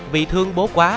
vì thương bố quá